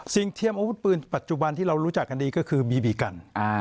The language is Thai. เทียมอาวุธปืนปัจจุบันที่เรารู้จักกันดีก็คือบีบีกัน